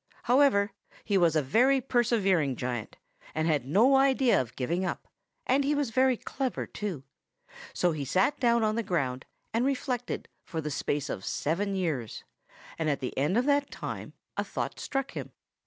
However, he was a very persevering giant, and had no idea of giving up; and he was very clever too. So he sat down on the ground and reflected for the space of seven years, and at the end of that time a thought struck him.